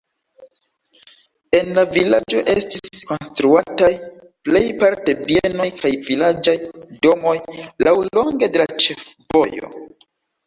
En la vilaĝo estis konstruataj plejparte bienoj kaj vilaĝaj domoj laŭlonge de la ĉefvojo.